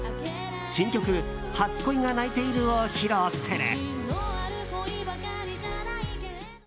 新曲「初恋が泣いている」を披露する。